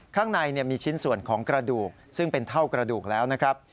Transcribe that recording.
ข้างในมีชิ้นส่วนของกระดูกซึ่งเป็นเท่ากระดูกแล้วนะครับ